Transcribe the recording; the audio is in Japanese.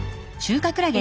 中華クラゲ。